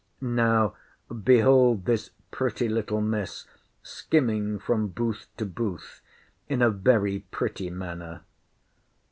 Now behold this pretty little miss skimming from booth to booth, in a very pretty manner.